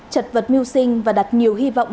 chật vật mưu sinh và đặt nhiều hy vọng